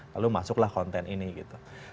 lalu masuklah konten ini gitu